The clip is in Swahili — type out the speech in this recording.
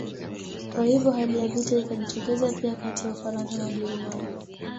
Kwa hivyo hali ya vita ikajitokeza pia kati ya Ufaransa na Ujerumani